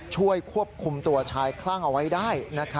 ช่วยควบคุมตัวชายคลั่งเอาไว้ได้